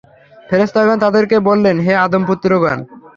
ফেরেশতাগণ তাদেরকে বললেন, হে আদম-পুত্রগণ!